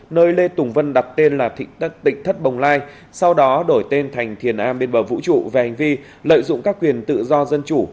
nơi lê tùng vân đặt tên là tỉnh thất bồng lai sau đó đổi tên thành thiền an bên bờ vũ trụ về hành vi lợi dụng các quyền tự do dân chủ